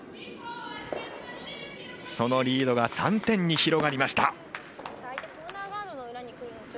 そのリードが３点に広がりました。